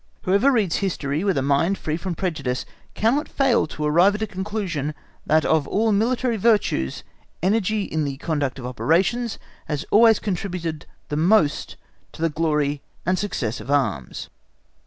Whoever reads history with a mind free from prejudice cannot fail to arrive at a conviction that of all military virtues, energy in the conduct of operations has always contributed the most to the glory and success of arms.